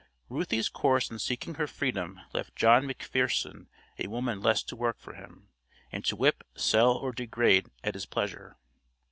Ruthie's course in seeking her freedom left John McPherson a woman less to work for him, and to whip, sell, or degrade at his pleasure.